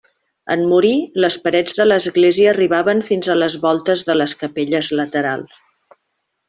En morir, les parets de l'església arribaven fins a les voltes de les capelles laterals.